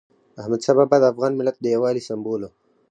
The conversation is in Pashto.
احمدشاه بابا د افغان ملت د یووالي سمبول و.